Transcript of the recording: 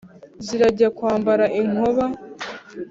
zirajya kwambara inkoba;